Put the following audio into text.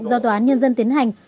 do tòa án nhân dân tiến hành